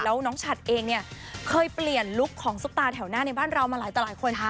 แล้วน้องฉัดเองเนี่ยเคยเปลี่ยนลุคของซุปตาแถวหน้าในบ้านเรามาหลายต่อหลายคนฮะ